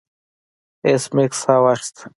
ایس میکس ساه واخیسته